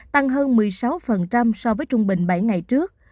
tăng hơn một mươi sáu so với trung bình bảy ngày trước